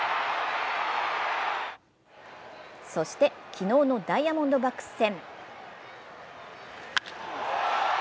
そして、昨日のダイヤモンドバックス戦。